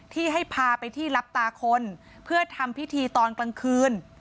ที่ให้พาไปที่รับตาคนเพื่อทำพิธีตอนกลางคืน